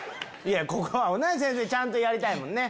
ここは先生ちゃんとやりたいもんね？